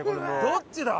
どっちだ？